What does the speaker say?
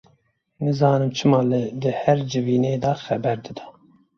Nizanim çima lê di her civînê de xeber dida.